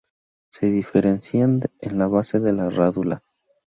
Se diferencian en la base de la rádula.